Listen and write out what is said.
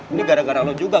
ini gara gara lo juga